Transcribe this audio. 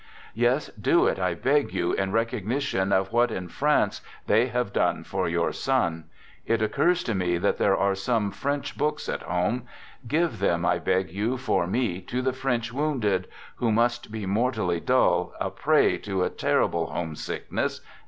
Yes, do it, I beg you, in recognition r of what in France they have done for your son ... 1 it occurs to me that there are some French books | at home ; give them, I beg you, for me, to the French ; wounded, who must be mortally dull, a prey to a 1 terrible homesickness as I am.